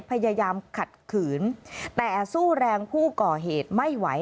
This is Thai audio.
พยายามขัดขืนแต่สู้แรงผู้ก่อเหตุไม่ไหว